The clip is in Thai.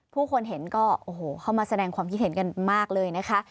ผู้คนเห็นก็โอ้โหเข้ามาแสดงความคิดเห็นกันมากเลยนะคะ